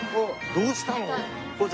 どうしたの？